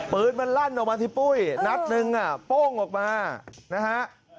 ปืนมันลั่นออกมาที่ปุ้ยนัดหนึ่งอ่ะโป้งออกมานะฮะ